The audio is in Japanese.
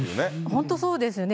本当そうですよね。